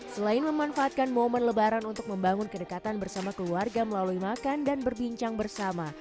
selain memanfaatkan momen lebaran untuk membangun kedekatan bersama keluarga melalui makan dan berbincang bersama